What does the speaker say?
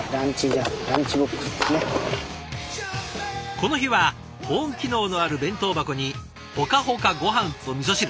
この日は保温機能のある弁当箱にホカホカごはんとみそ汁。